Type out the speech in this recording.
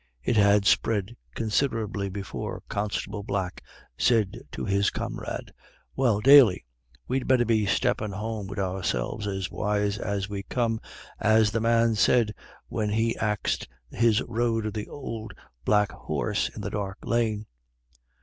It had spread considerably before Constable Black said to his comrade: "Well, Daly, we'd better be steppin' home wid ourselves as wise as we come, as the man said when he'd axed his road of the ould black horse in the dark lane.